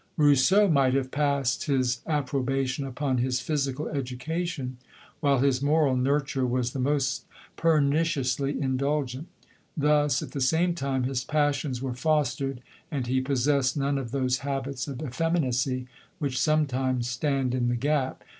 Rous seau might have passed his approbation upon his physical education, while his moral nur ture was the most perniciously indulgent. Thus, at the same time, his passions were fos tered, and he possessed none of those habits of effeminacy, which sometimes stand in the gap.